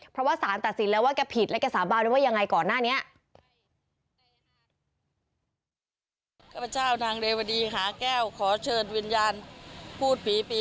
เพราะว่าสารตัดสินแล้วว่าแกผิดและแกสาบานได้ว่ายังไงก่อนหน้านี้